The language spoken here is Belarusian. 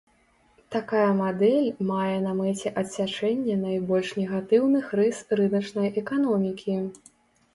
Такая мадэль мае на мэце адсячэнне найбольш негатыўных рыс рыначнай эканомікі.